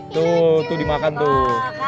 tuh itu dimakan tuh